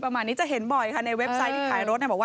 ประมาณนี้จะเห็นบ่อยค่ะในเว็บไซต์ที่ขายรถ